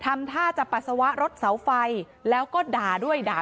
เมื่อเวลาอันดับ